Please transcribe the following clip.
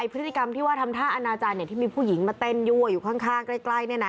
พฤติกรรมที่ว่าทำท่าอนาจารย์ที่มีผู้หญิงมาเต้นยั่วอยู่ข้างใกล้